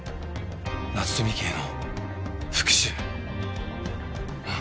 夏富家への復讐うん。